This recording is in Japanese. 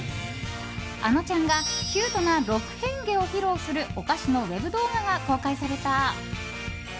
あのちゃんがキュートな６変化を披露するお菓子のウェブ動画が公開された。